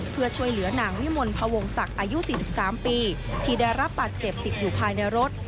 เพื่อช่วยเหลือนางวิมลพวงศักดิ์อายุ๔๓ปีที่ได้รับบาดเจ็บติดอยู่ภายในรถ